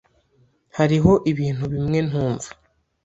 Hariho ibintu bimwe ntumva.